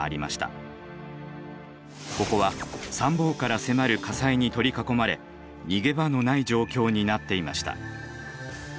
ここは三方から迫る火災に取り囲まれ逃げ場のない状況になっていました。